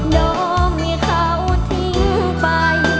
น้องให้เขาทิ้งไป